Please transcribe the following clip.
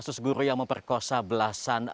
kasus guru yang memperkosa belasan